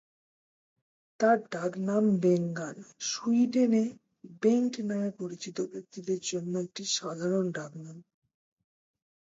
তার ডাকনাম "বেঙ্গান", সুইডেনে বেংট নামে পরিচিত ব্যক্তিদের জন্য একটি সাধারণ ডাকনাম।